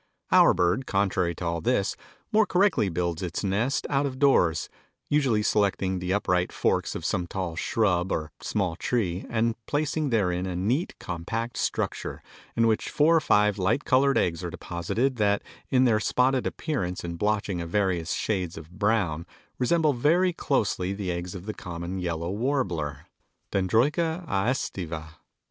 Our bird, contrary to all this, more correctly builds its nest out of doors, usually selecting the upright forks of some tall shrub or small tree and placing therein a neat, compact structure, in which four or five light colored eggs are deposited that in their spotted appearance and blotching of various shades of brown resemble very closely the eggs of the common yellow warbler (Dendroica aestiva).